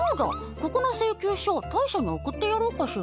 ここの請求書大赦に送ってやろうかしら。